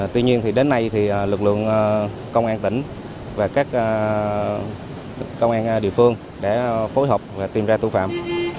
tuy nhiên đến nay lực lượng công an tỉnh và các công an địa phương đã phối hợp và tìm ra tù phạm